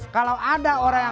kalau ada orang yang